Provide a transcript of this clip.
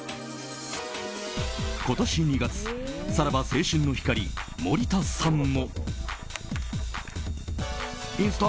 今年２月さらば青春の光、森田さんも。